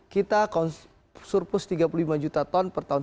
kita surplus tiga puluh lima juta ton per tahun